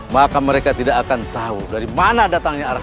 maka mereka tidak akan tahu dari mana datangnya arah